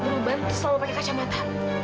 beruban terus selalu pakai kacamata